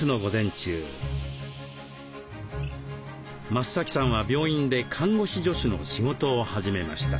増さんは病院で看護師助手の仕事を始めました。